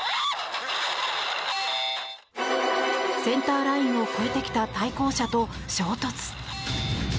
センターラインを越えてきた対向車と衝突。